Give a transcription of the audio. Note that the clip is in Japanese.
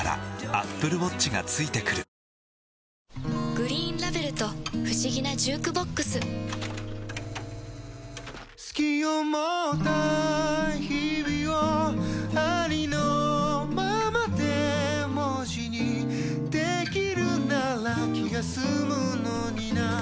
「グリーンラベル」と不思議なジュークボックス“好き”を持った日々をありのままで文字にできるなら気が済むのにな